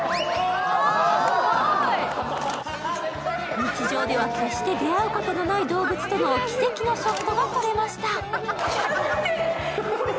日常では決して出会うことがない動物との奇跡のショットが撮れました。